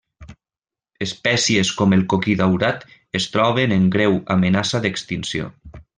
Espècies com el coquí daurat es troben en greu amenaça d'extinció.